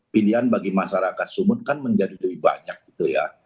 pilihan bagi masyarakat sumut kan menjadi lebih banyak gitu ya